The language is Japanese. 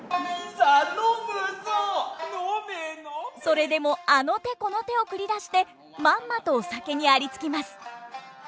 それでもあの手この手を繰り出してまんまとお酒にありつきます！